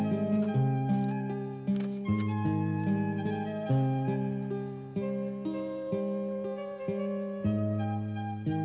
menjadi kemampuan anda